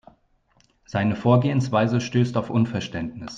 Seine Vorgehensweise stößt auf Unverständnis.